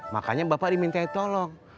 makanya bapak dimintain tolong